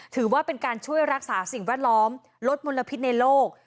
ถือว่าเป็นการช่วยรักษาสิ่งแวดล้อมลดมลพิษในโลก